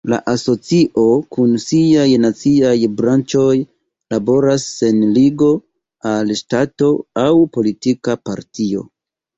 La asocio kun siaj naciaj branĉoj laboras sen ligo al ŝtato aŭ politika partio.